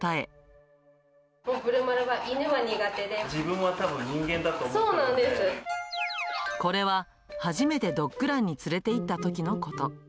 自分はたぶん、これは、初めてドッグランに連れていったときのこと。